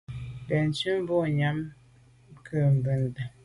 Benntùn boa nyàm nke mbùnte.